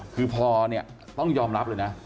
คือพอนี่ต้องยอมรับนะ